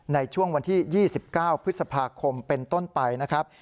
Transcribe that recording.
ในช่วงวันที่๒๙พฤษภาคมเป็นต้นไปนะครับ